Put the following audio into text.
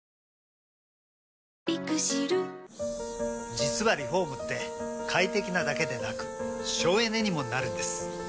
実はリフォームって快適なだけでなく省エネにもなるんです。